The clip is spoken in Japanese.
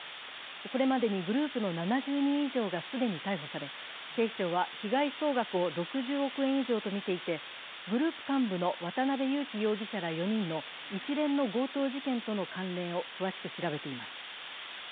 これまでにグループの７０人以上が既に逮捕され警視庁は被害総額を６０億円以上とみていて、グループ幹部の渡辺優樹容疑者ら４人の一連の強盗事件との関連を詳しく調べています。